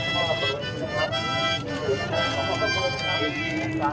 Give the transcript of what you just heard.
มีบางซักวัน